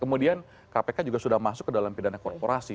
kemudian kpk juga sudah masuk ke dalam pidana korporasi